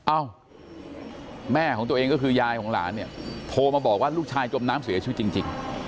เอ้าแม่ของตัวเองก็คือยายของหลานเนี่ยโทรมาบอกว่าลูกชายจมน้ำเสียชีวิตจริง